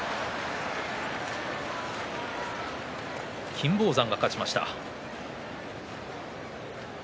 金峰山が勝ちました。